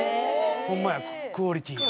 ホンマや「クオリティ」や。